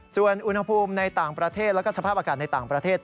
ส่วนอุณหภูมิในต่างประเทศและสภาพอากาศในต่างประเทศ